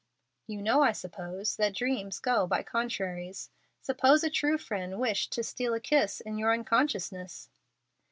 "You know, I suppose, that dreams go by contraries. Suppose a true friend wished to steal a kiss in your unconsciousness."